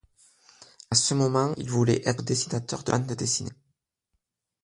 À ce moment il voulait être dessinateur de bandes dessinées.